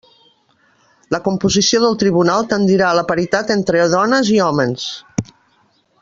La composició del tribunal tendirà a la paritat entre dones i hòmens.